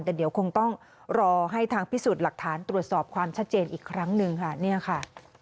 แต่เดี๋ยวคงต้องรอให้ทางพิสูจน์หลักฐานตรวจสอบความชัดเจนอีกครั้งหนึ่งค่ะเนี่ยค่ะ